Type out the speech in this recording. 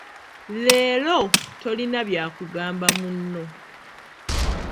Leero tolina by'akugamba munno.